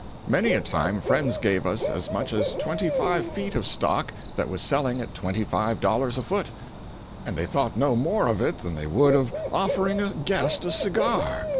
Many a time friends gave us as much as twenty five feet of stock that was selling at twenty five dollars a foot, and they thought no more of it than they would of offering a guest a cigar.